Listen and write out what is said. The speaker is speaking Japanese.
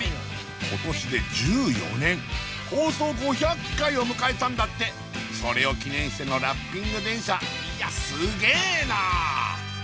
今年で１４年放送５００回を迎えたんだってそれを記念してのラッピング電車いやすげえな！